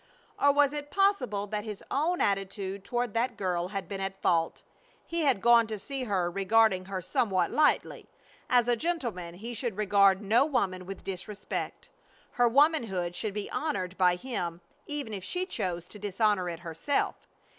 Or was it possible that his own attitude toward that girl had been at fault? He had gone to see her regarding her somewhat lightly. As a gentleman he should regard no woman with disrespect. Her womanhood should be honored by him even if she chose to dishonor it herself.